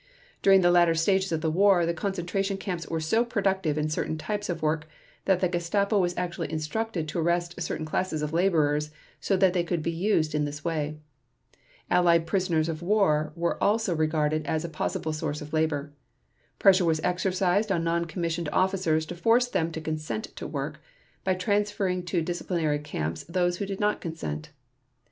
During the latter stages of the war the concentration camps were so productive in certain types of work that the Gestapo was actually instructed to arrest certain classes of laborers so that they could be used in this way. Allied prisoners of war were also regarded as a possible source of labor. Pressure was exercised on non commissioned officers to force them to consent to work, by transferring to disciplinary camps those who did not consent.